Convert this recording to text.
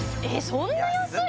そんな安い？